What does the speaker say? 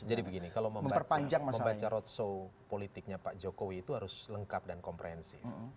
jadi begini kalau membaca rotso politiknya pak jokowi itu harus lengkap dan komprehensif